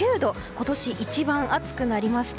今年一番暑くなりました。